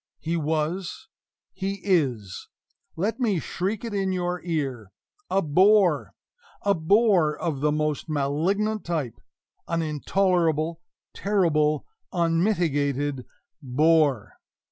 he was he is let me shriek it in your ear a bore a BORE! of the most malignant type; an intolerable, terrible, unmitigated BORE!